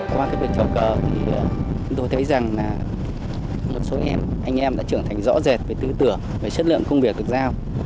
qua việc chào cờ tôi thấy rằng một số anh em đã trưởng thành rõ rệt về tư tưởng về chất lượng công việc được giao